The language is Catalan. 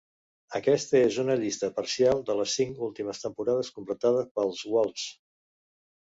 Aquesta és una llista parcial de les cinc últimes temporades completades pels Wolves.